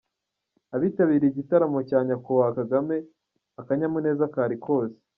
Abitabiriye igitaramo cya nyakubahwa kagame akanyamuneza kari kose